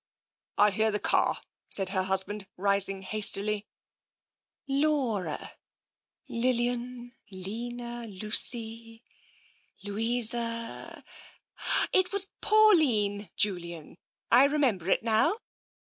" I hear the car," said her husband, rising hastily. " Laura — Lilian — Lena — Lucy — Louisa. ... It was Pauline^ Julian — I remember it now."